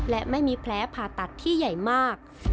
และไม่มีแผลผ่าตัดที่ใหญ่มาก